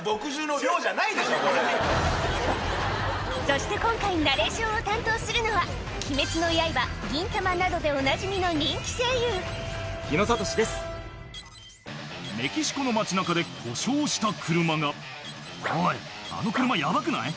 そして今回ナレーションを担当するのは『鬼滅の刃』『銀魂』などでおなじみの人気声優メキシコの街中で故障した車が「おいあの車ヤバくない？